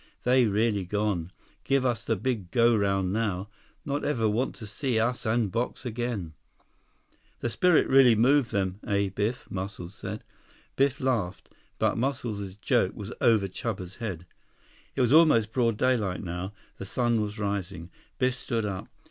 They really gone. Give us the big go round now. Not ever want to see us and box again." 127 "The spirit really moved them, eh, Biff?" Muscles said. Biff laughed, but Muscles' joke was over Chuba's head. It was almost broad daylight now. The sun was rising. Biff stood up.